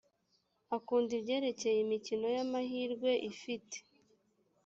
akunda ibyerekeye imikino y amahirwe ifite